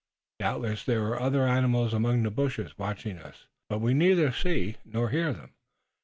Doubtless there are other animals among the bushes, watching us, but we neither see nor hear them.